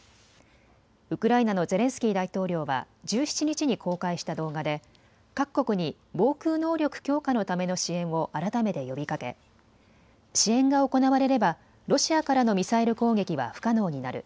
ウクライナのゼレンスキー大統領は１７日に公開した動画で各国に防空能力強化のための支援を改めて呼びかけ支援が行われればロシアからのミサイル攻撃は不可能になる。